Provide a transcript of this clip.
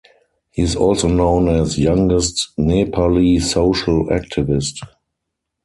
He is also known as "Youngest Nepali Social Activist".